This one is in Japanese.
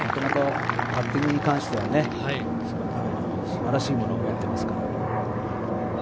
パッティングに関しては素晴らしいものを持っています。